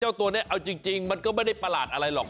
เจ้าตัวนี้เอาจริงมันก็ไม่ได้ประหลาดอะไรหรอก